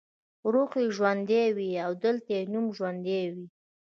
روح یې ژوندی وي او دلته یې نوم ژوندی وي.